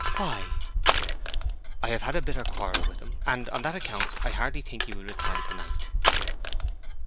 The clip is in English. "Why?" "I have had a bitter quarrel with him; and on that account I hardly think he will return to night."